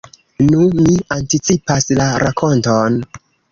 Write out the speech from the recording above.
Nu, mi anticipas la rakonton.